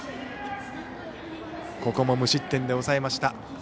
ここも無失点で抑えました。